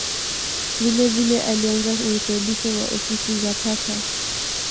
Vilevile alianza urekebisho wa ofisi za Papa.